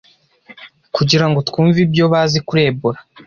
kugira ngo twumve ibyo bazi kuri Ebola.